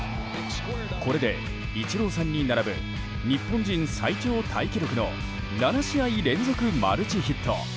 これでイチローさんに並ぶ日本人最長タイ記録の７試合連続マルチヒット。